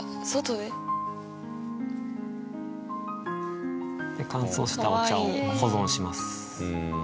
で乾燥したお茶を保存します。